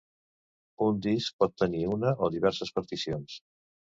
Un disc pot contenir una o diverses particions.